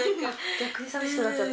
逆にさみしくなっちゃった？